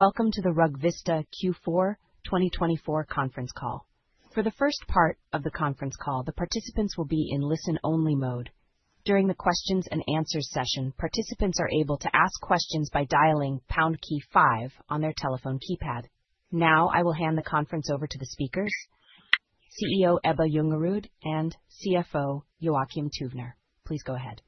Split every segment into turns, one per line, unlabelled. Welcome to the RugVista Q4 2024 conference call. For the first part of the conference call, the participants will be in listen-only mode. During the Q&A session, participants are able to ask questions by dialing pound key five on their telephone keypad. Now, I will hand the conference over to the speakers: CEO Ebba Ljungerud and CFO Joakim Tuvner. Please go ahead.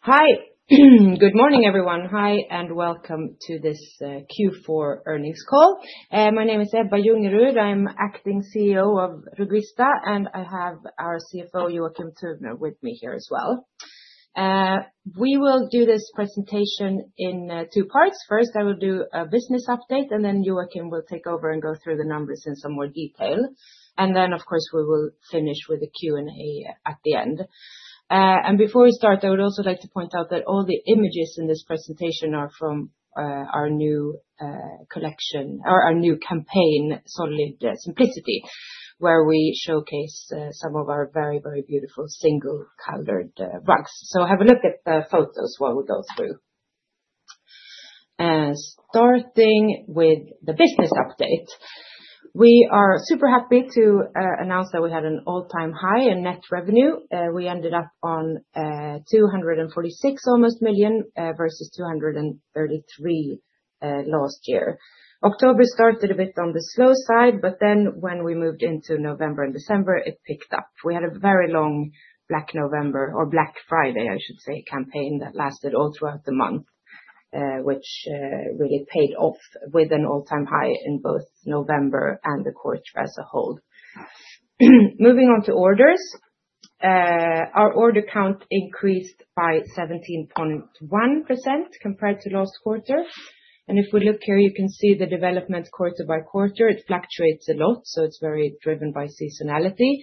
Hi, good morning everyone, hi and welcome to this Q4 earnings call. My name is Ebba Ljungerud, I'm Acting CEO of RugVista, and I have our CFO Joakim Tuvner with me here as well. We will do this presentation in two parts. First, I will do a business update, and then Joakim will take over and go through the numbers in some more detail. Of course, we will finish with a Q&A at the end. Before we start, I would also like to point out that all the images in this presentation are from our new collection, or our new campaign, Solid Simplicity, where we showcase some of our very, very beautiful single-coloured rugs. Have a look at the photos while we go through. Starting with the business update, we are super happy to announce that we had an all-time high in net revenue. We ended up on 246 million versus 233 million last year. October started a bit on the slow side, but when we moved into November and December, it picked up. We had a very long Black November, or Black Friday, I should say, campaign that lasted all throughout the month, which really paid off with an all-time high in both November and the quarter as a whole. Moving on to orders, our order count increased by 17.1% compared to last quarter. If you look here, you can see the development quarter by quarter, it fluctuates a lot, so it is very driven by seasonality.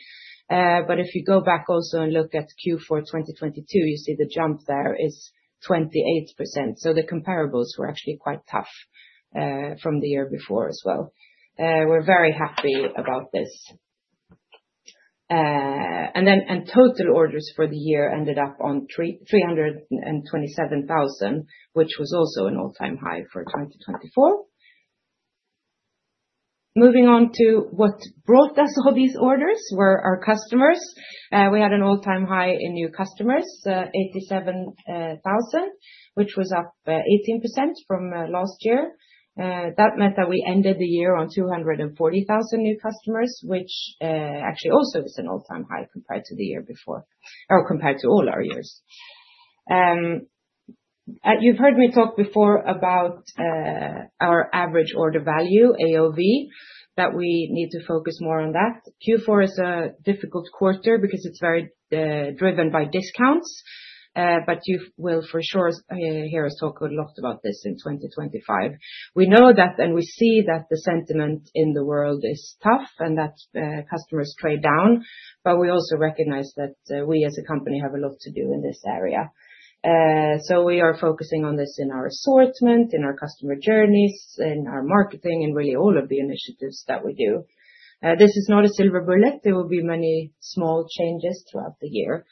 If you go back also and look at Q4 2022, you see the jump there is 28%. The comparables were actually quite tough from the year before as well. We are very happy about this. Total orders for the year ended up on 327,000, which was also an all-time high for 2024. Moving on to what brought us all these orders were our customers. We had an all-time high in new customers, 87,000, which was up 18% from last year. That meant that we ended the year on 240,000 new customers, which actually also is an all-time high compared to the year before, or compared to all our years. You've heard me talk before about our average order value, AOV, that we need to focus more on that. Q4 is a difficult quarter because it's very driven by discounts, but you will for sure hear us talk a lot about this in 2025. We know that, and we see that the sentiment in the world is tough and that customers trade down, but we also recognize that we as a company have a lot to do in this area. We are focusing on this in our assortment, in our customer journeys, in our marketing, in really all of the initiatives that we do. This is not a silver bullet. There will be many small changes throughout the year.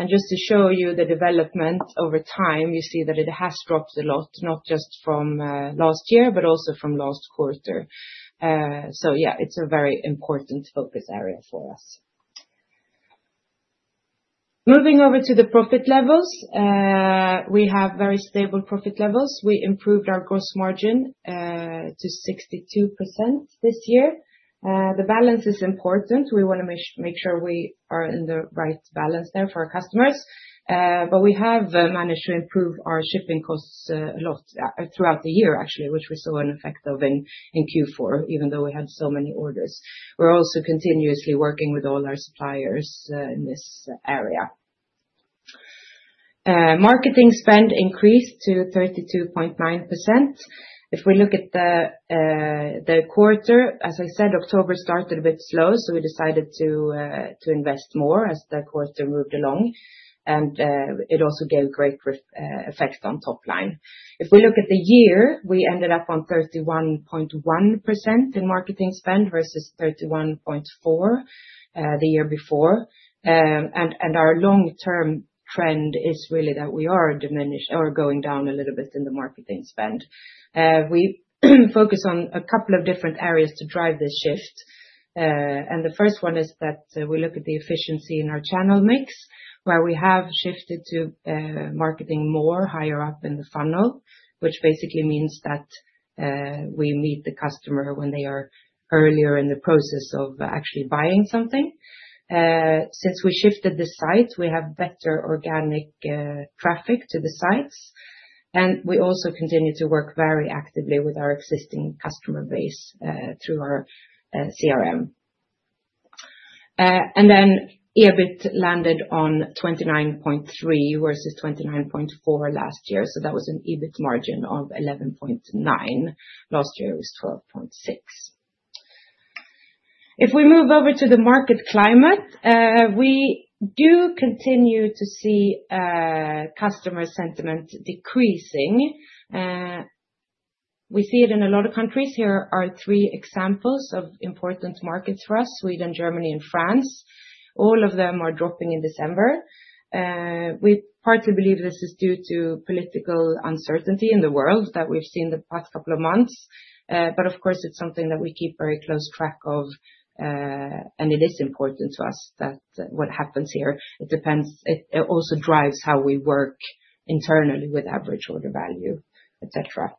Just to show you the development over time, you see that it has dropped a lot, not just from last year, but also from last quarter. Yeah, it's a very important focus area for us. Moving over to the profit levels, we have very stable profit levels. We improved our gross margin to 62% this year. The balance is important. We want to make sure we are in the right balance there for our customers. We have managed to improve our shipping costs a lot throughout the year, actually, which we saw an effect of in Q4, even though we had so many orders. We are also continuously working with all our suppliers in this area. Marketing spend increased to 32.9%. If we look at the quarter, as I said, October started a bit slow, so we decided to invest more as the quarter moved along. It also gave great effect on top line. If we look at the year, we ended up on 31.1% in marketing spend versus 31.4% the year before. Our long-term trend is really that we are diminishing or going down a little bit in the marketing spend. We focus on a couple of different areas to drive this shift. The first one is that we look at the efficiency in our channel mix, where we have shifted to marketing more, higher up in the funnel, which basically means that we meet the customer when they are earlier in the process of actually buying something. Since we shifted the site, we have better organic traffic to the sites. We also continue to work very actively with our existing customer base through our CRM. EBIT landed on 29.3% versus 29.4% last year. That was an EBIT margin of 11.9%. Last year it was 12.6%. If we move over to the market climate, we do continue to see customer sentiment decreasing. We see it in a lot of countries. Here are three examples of important markets for us: Sweden, Germany, and France. All of them are dropping in December. We partly believe this is due to political uncertainty in the world that we've seen the past couple of months. Of course, it's something that we keep very close track of, and it is important to us that what happens here, it depends. It also drives how we work internally with average order value, etc.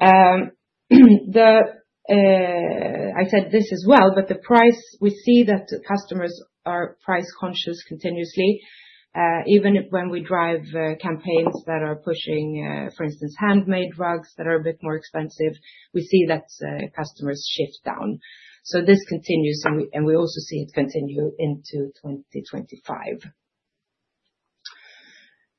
I said this as well, but the price, we see that customers are price conscious continuously. Even when we drive campaigns that are pushing, for instance, handmade rugs that are a bit more expensive, we see that customers shift down. This continues, and we also see it continue into 2025.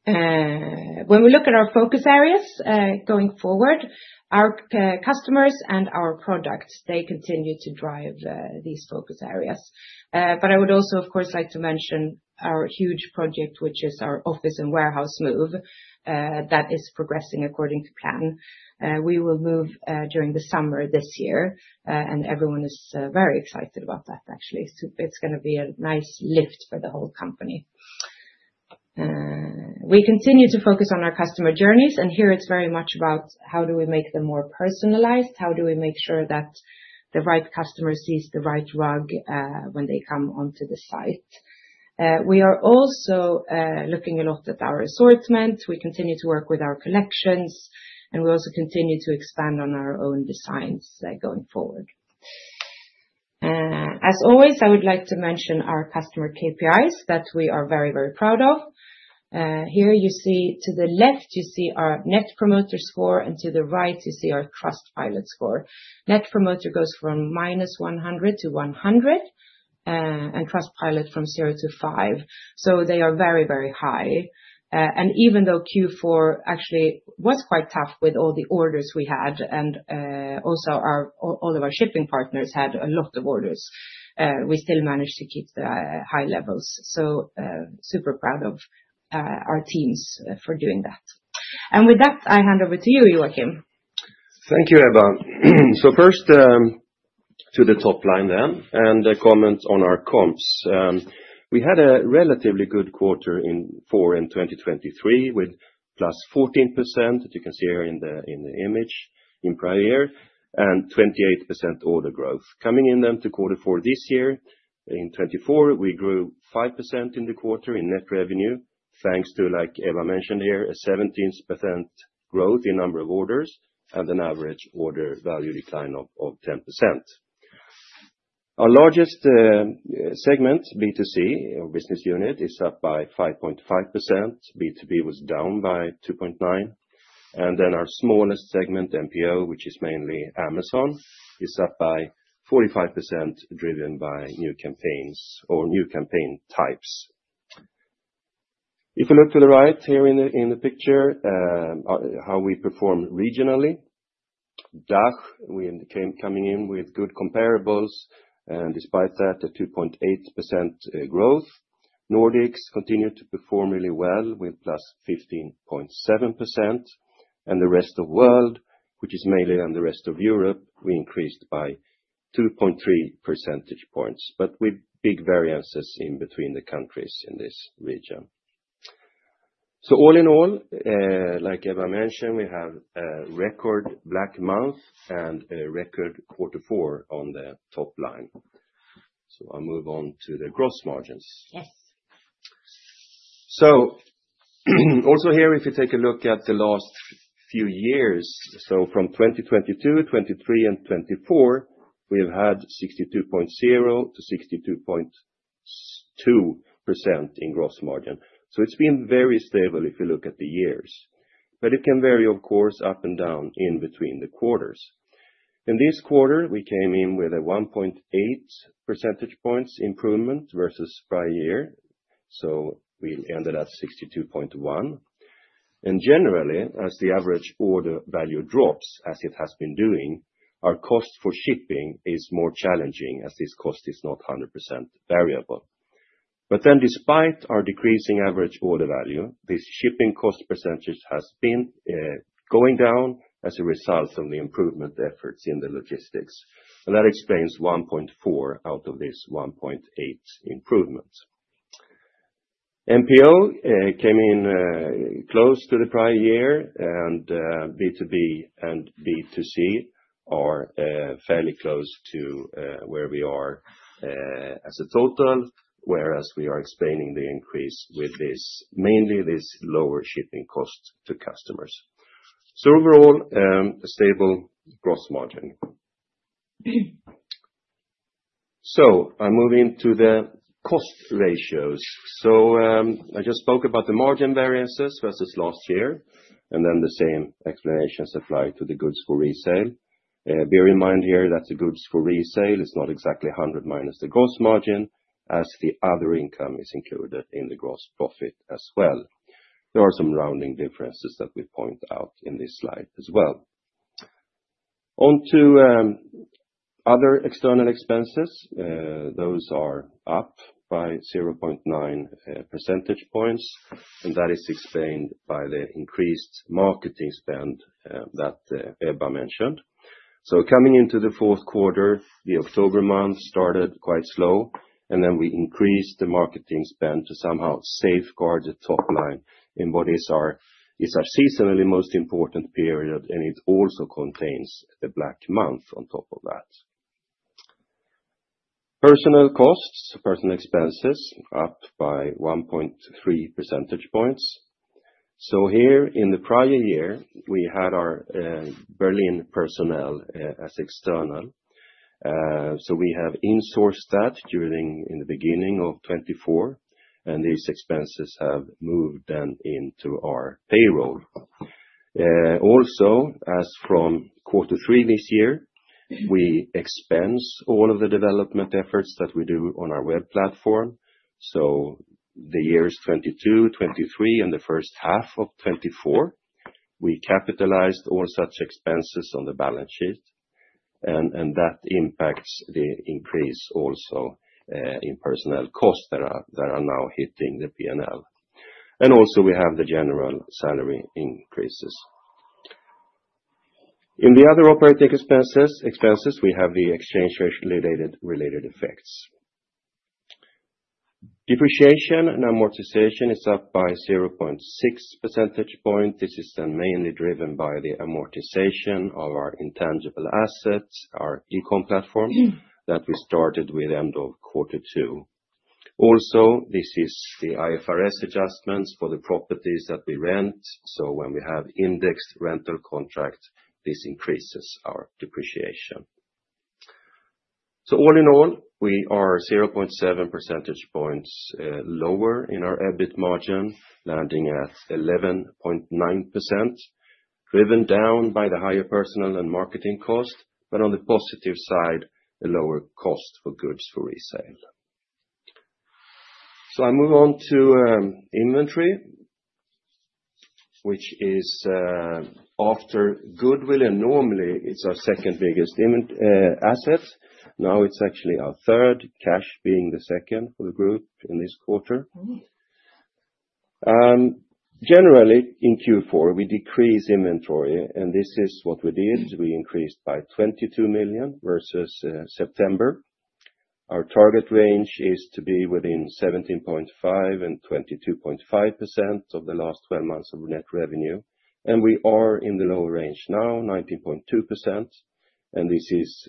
When we look at our focus areas going forward, our customers and our products, they continue to drive these focus areas. I would also, of course, like to mention our huge project, which is our office and warehouse move. That is progressing according to plan. We will move during the summer this year, and everyone is very excited about that, actually. It's going to be a nice lift for the whole company. We continue to focus on our customer journeys, and here it's very much about how do we make them more personalized? How do we make sure that the right customer sees the right rug when they come onto the site? We are also looking a lot at our assortment. We continue to work with our collections, and we also continue to expand on our own designs going forward. As always, I would like to mention our customer KPIs that we are very, very proud of. Here you see, to the left, you see our Net Promoter Score, and to the right, you see our Trustpilot score. Net Promoter goes from minus 100 to 100, and Trustpilot from zero to five. They are very, very high. Even though Q4 actually was quite tough with all the orders we had, and also all of our shipping partners had a lot of orders, we still managed to keep the high levels. I am super proud of our teams for doing that. With that, I hand over to you, Joakim.
Thank you, Ebba. First, to the top line then, and a comment on our comps. We had a relatively good quarter in Q4 in 2023 with plus 14%, as you can see here in the image in prior year, and 28% order growth. Coming in then to Q4 this year in Q4, we grew 5% in the quarter in net revenue, thanks to, like Ebba mentioned here, a 17% growth in number of orders and an average order value decline of 10%. Our largest segment, B2C or business unit, is up by 5.5%. B2B was down by 2.9%. Our smallest segment, MPO, which is mainly Amazon, is up by 45%, driven by new campaigns or new campaign types. If we look to the right here in the picture, how we perform regionally, DACH, we came coming in with good comparables, and despite that, a 2.8% growth. Nordics continued to perform really well with +15.7%. The rest of the world, which is mainly in the rest of Europe, we increased by 2.3 percentage points, but with big variances in between the countries in this region. All in all, like Ebba mentioned, we have a record black month and a record quarter four on the top line. I'll move on to the gross margins.
Yes.
If you take a look at the last few years, from 2022, 2023, and 2024, we have had 62.0%-62.2% in gross margin. It has been very stable if you look at the years, but it can vary, of course, up and down in between the quarters. In this quarter, we came in with a 1.8 percentage points improvement versus prior year. We ended at 62.1%. Generally, as the average order value drops, as it has been doing, our cost for shipping is more challenging as this cost is not 100% variable. Despite our decreasing average order value, this shipping cost percentage has been going down as a result of the improvement efforts in the logistics. That explains 1.4% out of this 1.8% improvement. MPO came in close to the prior year, and B2B and B2C are fairly close to where we are as a total, whereas we are explaining the increase with this mainly this lower shipping cost to customers. Overall, a stable gross margin. I am moving to the cost ratios. I just spoke about the margin variances versus last year, and then the same explanations apply to the goods for resale. Bear in mind here that the goods for resale is not exactly 100 minus the gross margin, as the other income is included in the gross profit as well. There are some rounding differences that we point out in this slide as well. Onto other external expenses, those are up by 0.9 percentage points, and that is explained by the increased marketing spend that Ebba mentioned. Coming into the fourth quarter, the October month started quite slow, and then we increased the marketing spend to somehow safeguard the top line in what is our seasonally most important period, and it also contains the black month on top of that. Personnel costs, personnel expenses, up by 1.3 percentage points. Here in the prior year, we had our Berlin personnel as external. We have insourced that during the beginning of 2024, and these expenses have moved then into our payroll. Also, as from quarter three this year, we expense all of the development efforts that we do on our web platform. The years 2022, 2023, and the first half of 2024, we capitalized all such expenses on the balance sheet, and that impacts the increase also in personnel costs that are now hitting the P&L. Also, we have the general salary increases. In the other operating expenses, we have the exchange rate-related effects. Depreciation and amortization is up by 0.6 percentage points. This is then mainly driven by the amortization of our intangible assets, our e-comm platform that we started with end of quarter two. Also, this is the IFRS adjustments for the properties that we rent. When we have indexed rental contracts, this increases our depreciation. All in all, we are 0.7 percentage points lower in our EBIT margin, landing at 11.9%, driven down by the higher personal and marketing cost, but on the positive side, a lower cost for goods for resale. I move on to inventory, which is after Goodwill. Normally, it's our second biggest asset. Now it's actually our third, cash being the second for the group in this quarter. Generally, in Q4, we decrease inventory, and this is what we did. We increased by 22 million versus September. Our target range is to be within 17.5%-22.5% of the last 12 months of net revenue. We are in the low range now, 19.2%. This is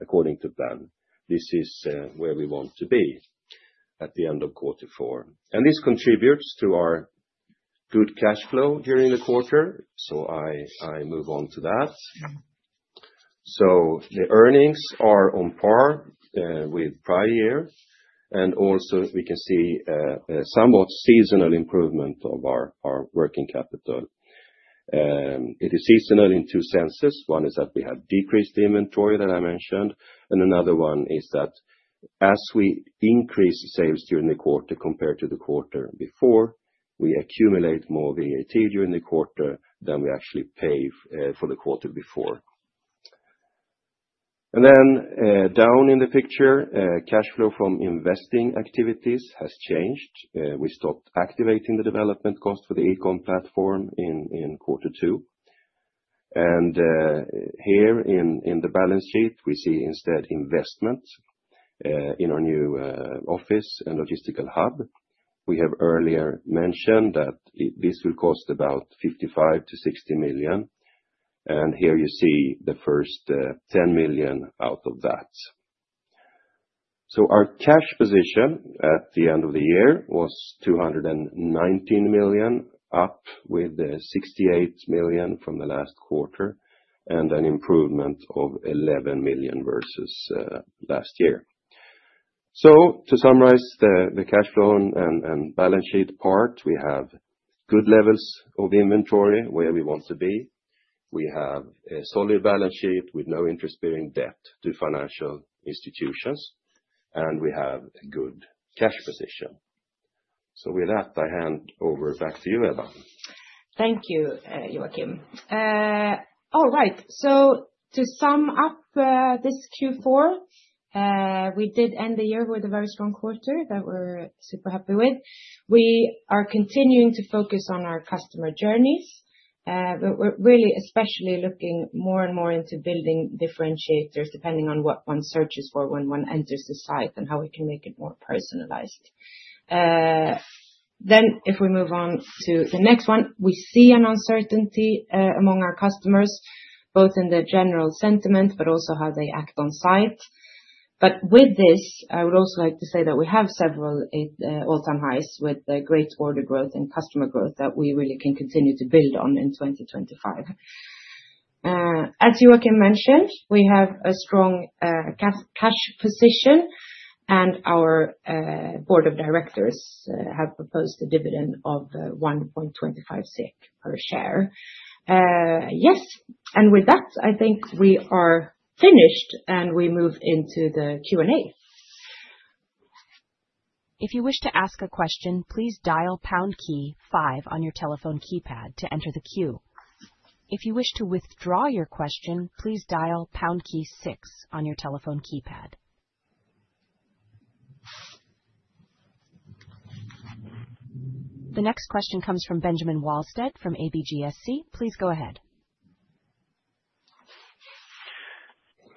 according to plan. This is where we want to be at the end of quarter four. This contributes to our good cash flow during the quarter. I move on to that. The earnings are on par with prior year. We can also see a somewhat seasonal improvement of our working capital. It is seasonal in two senses. One is that we have decreased the inventory that I mentioned, and another one is that as we increase sales during the quarter compared to the quarter before, we accumulate more VAT during the quarter than we actually pay for the quarter before. Down in the picture, cash flow from investing activities has changed. We stopped activating the development cost for the e-comm platform in quarter two. Here in the balance sheet, we see instead investment in our new office and logistical hub. We have earlier mentioned that this will cost about 55 million-60 million. Here you see the first 10 million out of that. Our cash position at the end of the year was 219 million, up with 68 million from the last quarter, and an improvement of 11 million versus last year. To summarize the cash flow and balance sheet part, we have good levels of inventory where we want to be. We have a solid balance sheet with no interest-bearing debt to financial institutions, and we have a good cash position. With that, I hand over back to you, Ebba.
Thank you, Joakim. All right. To sum up this Q4, we did end the year with a very strong quarter that we're super happy with. We are continuing to focus on our customer journeys. We're really especially looking more and more into building differentiators depending on what one searches for when one enters the site and how we can make it more personalized. If we move on to the next one, we see an uncertainty among our customers, both in the general sentiment, but also how they act on site. With this, I would also like to say that we have several all-time highs with great order growth and customer growth that we really can continue to build on in 2025. As Joakim mentioned, we have a strong cash position, and our board of directors have proposed a dividend of 1.25 SEK per share. Yes. With that, I think we are finished, and we move into the Q&A.
If you wish to ask a question, please dial pound key five on your telephone keypad to enter the queue. If you wish to withdraw your question, please dial pound key six on your telephone keypad. The next question comes from Benjamin Wahlstedt from ABGSC. Please go ahead.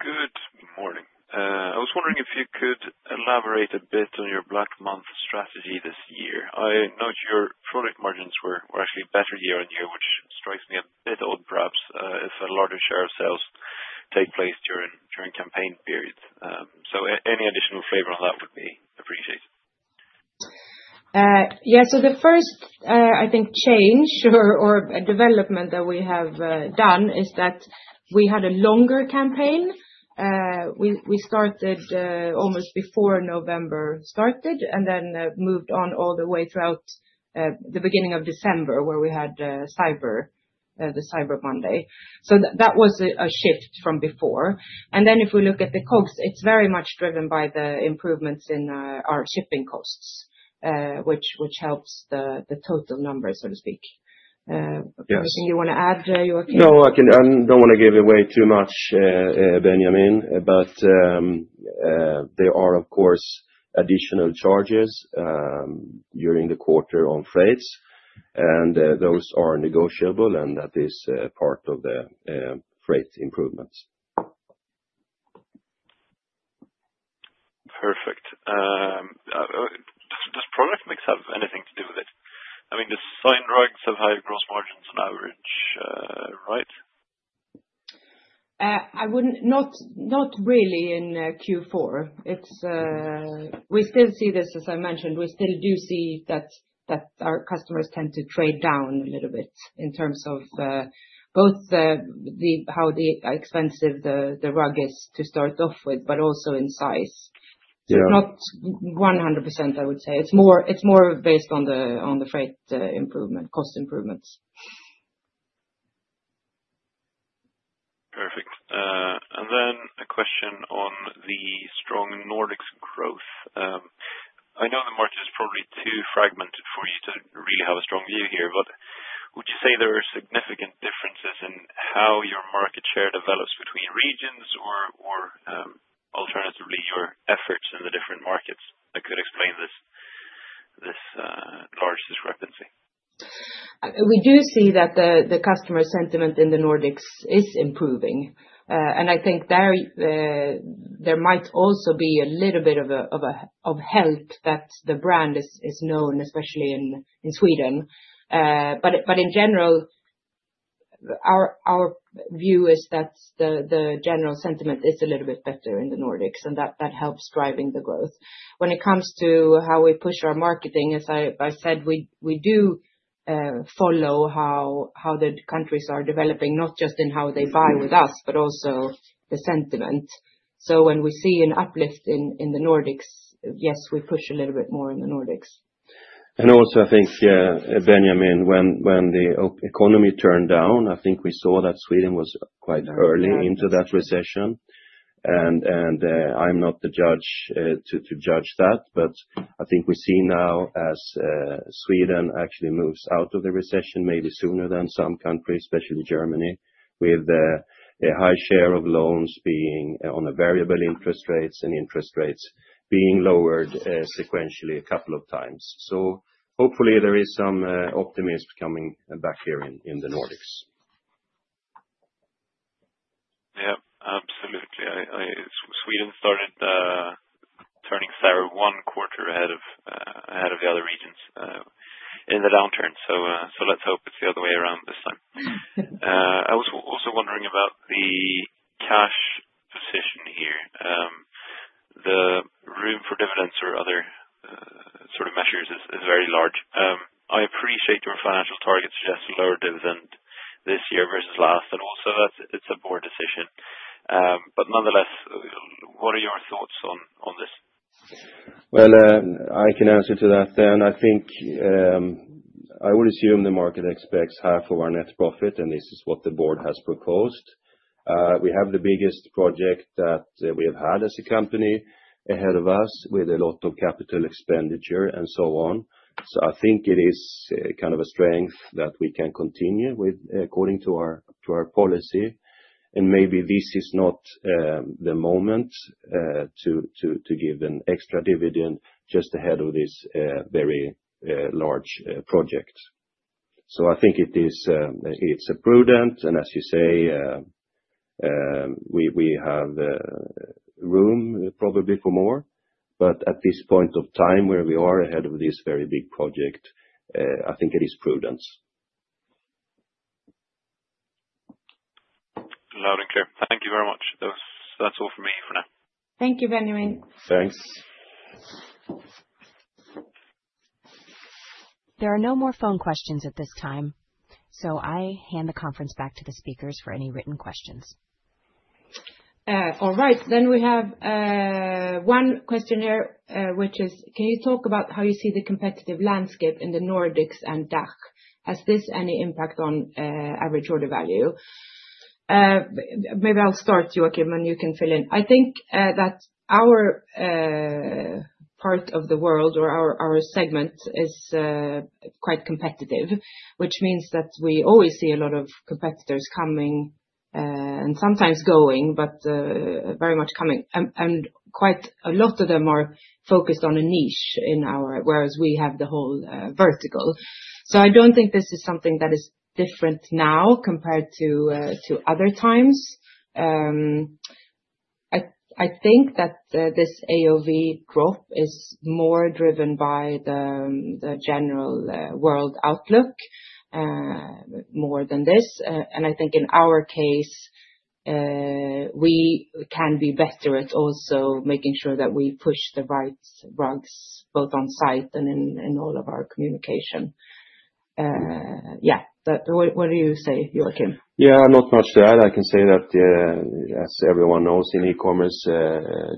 Good morning. I was wondering if you could elaborate a bit on your Black Month strategy this year. I note your product margins were actually better year on year, which strikes me a bit odd, perhaps, if a larger share of sales take place during campaign periods. Any additional flavor on that would be appreciated.
Yeah. The first, I think, change or development that we have done is that we had a longer campaign. We started almost before November started and then moved on all the way throughout the beginning of December, where we had Cyber Monday. That was a shift from before. If we look at the COGS, it is very much driven by the improvements in our shipping costs, which helps the total number, so to speak.
Yes.
Anything you want to add, Joakim?
No, I don't want to give away too much, Benjamin, but there are, of course, additional charges during the quarter on freights, and those are negotiable, and that is part of the freight improvements.
Perfect. Does product mix have anything to do with it? I mean, the signed rugs have higher gross margins on average, right?
Not really in Q4. We still see this, as I mentioned. We still do see that our customers tend to trade down a little bit in terms of both how expensive the rug is to start off with, but also in size. It's not 100%, I would say. It's more based on the freight improvement, cost improvements.
Perfect. A question on the strong Nordics growth. I know the market is probably too fragmented for you to really have a strong view here, but would you say there are significant differences in how your market share develops between regions or alternatively your efforts in the different markets that could explain this large discrepancy?
We do see that the customer sentiment in the Nordics is improving. I think there might also be a little bit of a help that the brand is known, especially in Sweden. In general, our view is that the general sentiment is a little bit better in the Nordics, and that helps driving the growth. When it comes to how we push our marketing, as I said, we do follow how the countries are developing, not just in how they buy with us, but also the sentiment. When we see an uplift in the Nordics, yes, we push a little bit more in the Nordics.
I think, Benjamin, when the economy turned down, I think we saw that Sweden was quite early into that recession. I'm not the judge to judge that, but I think we see now as Sweden actually moves out of the recession maybe sooner than some countries, especially Germany, with a high share of loans being on variable interest rates and interest rates being lowered sequentially a couple of times. Hopefully there is some optimism coming back here in the Nordics.
Yeah, absolutely. Sweden started turning sour one quarter ahead of the other regions in the downturn. Let's hope it's the other way around this time. I was also wondering about the cash position here. The room for dividends or other sort of measures is very large. I appreciate your financial target suggests a lower dividend this year versus last, and also that it's a board decision. Nonetheless, what are your thoughts on this?
I can answer to that. I think I would assume the market expects half of our net profit, and this is what the board has proposed. We have the biggest project that we have had as a company ahead of us with a lot of capital expenditure and so on. I think it is kind of a strength that we can continue with according to our policy. Maybe this is not the moment to give an extra dividend just ahead of this very large project. I think it's prudent. As you say, we have room probably for more. At this point of time where we are ahead of this very big project, I think it is prudent.
Loud and clear. Thank you very much. That's all from me for now.
Thank you, Benjamin.
Thanks.
There are no more phone questions at this time. I hand the conference back to the speakers for any written questions.
All right. Then we have one question here, which is, can you talk about how you see the competitive landscape in the Nordics and DACH? Has this any impact on average order value? Maybe I'll start, Joakim, and you can fill in. I think that our part of the world or our segment is quite competitive, which means that we always see a lot of competitors coming and sometimes going, but very much coming. And quite a lot of them are focused on a niche, whereas we have the whole vertical. I don't think this is something that is different now compared to other times. I think that this AOV drop is more driven by the general world outlook more than this. I think in our case, we can be better at also making sure that we push the right rugs both on site and in all of our communication. Yeah. What do you say, Joakim?
Yeah, not much to add. I can say that, as everyone knows, in e-commerce,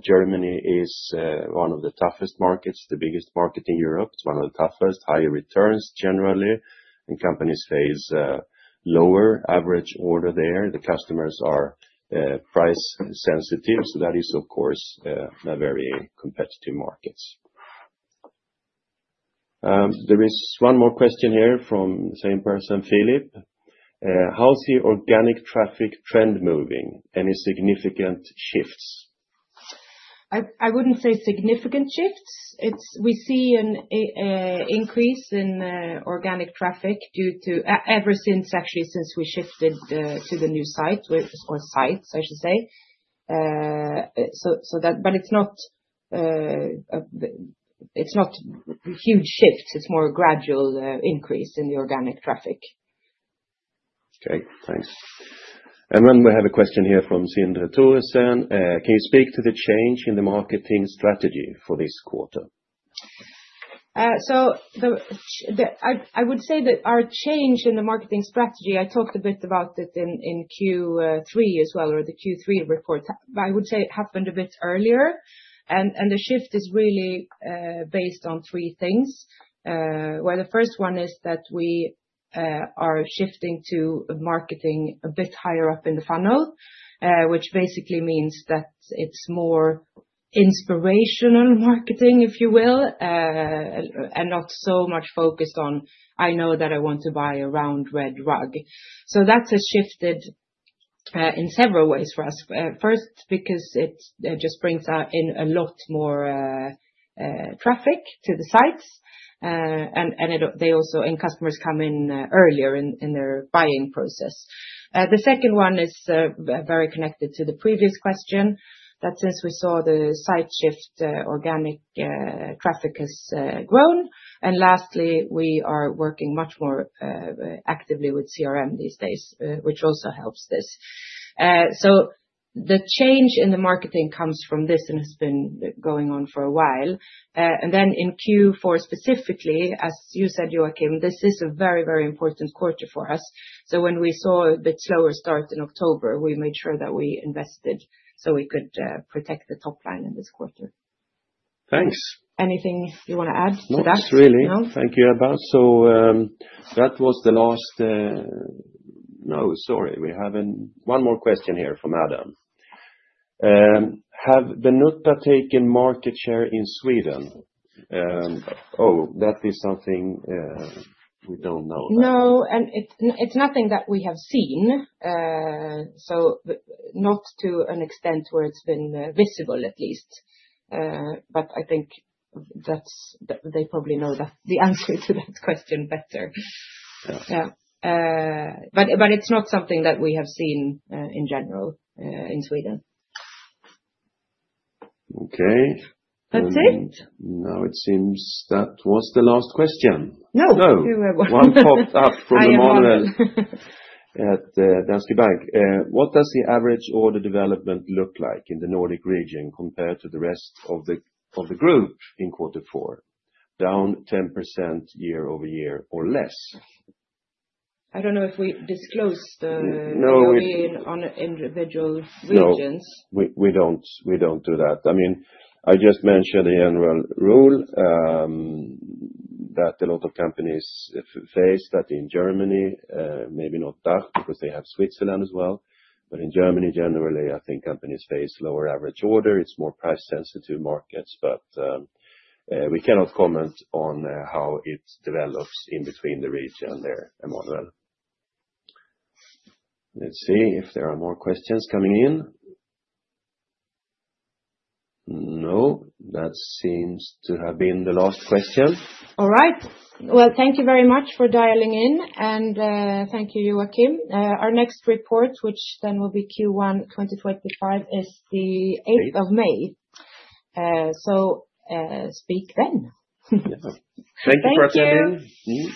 Germany is one of the toughest markets, the biggest market in Europe. It's one of the toughest, higher returns generally. Companies face lower average order there. The customers are price-sensitive. That is, of course, a very competitive market. There is one more question here from the same person, Philip. How's the organic traffic trend moving? Any significant shifts?
I wouldn't say significant shifts. We see an increase in organic traffic ever since, actually, since we shifted to the new site or sites, I should say. It is not a huge shift. It is more a gradual increase in the organic traffic.
Okay. Thanks. We have a question here from [Sinda Thorsen]. Can you speak to the change in the marketing strategy for this quarter?
I would say that our change in the marketing strategy, I talked a bit about it in Q3 as well, or the Q3 report, I would say happened a bit earlier. The shift is really based on three things. The first one is that we are shifting to marketing a bit higher up in the funnel, which basically means that it is more inspirational marketing, if you will, and not so much focused on, "I know that I want to buy a round red rug." That has shifted in several ways for us. First, because it just brings in a lot more traffic to the sites. They also, and customers come in earlier in their buying process. The second one is very connected to the previous question, that since we saw the site shift, organic traffic has grown. Lastly, we are working much more actively with CRM these days, which also helps this. The change in the marketing comes from this and has been going on for a while. In Q4 specifically, as you said, Joakim, this is a very, very important quarter for us. When we saw a bit slower start in October, we made sure that we invested so we could protect the top line in this quarter.
Thanks.
Anything you want to add to that?
No, not really. Thank you, Ebba. That was the last—no, sorry. We have one more question here from Adam. Have Benuta taken market share in Sweden? Oh, that is something we don't know.
No. It's nothing that we have seen, not to an extent where it's been visible, at least. I think they probably know the answer to that question better. Yeah. It's not something that we have seen in general in Sweden.
Okay.
That's it.
Now it seems that was the last question. No. One popped up from Monica at Danske Bank. What does the average order development look like in the Nordic region compared to the rest of the group in quarter four? Down 10% year-over-year or less?
I don't know if we disclose the rule on individual regions.
No, we don't do that. I mean, I just mentioned the general rule that a lot of companies face that in Germany, maybe not DACH because they have Switzerland as well. In Germany, generally, I think companies face lower average order. It's more price-sensitive markets, but we cannot comment on how it develops in between the region there, Emanuel. Let's see if there are more questions coming in. No. That seems to have been the last question.
All right. Thank you very much for dialing in. Thank you, Joakim. Our next report, which then will be Q1 2025, is the 8th of May. Speak then.
Thank you for attending.
Thank you.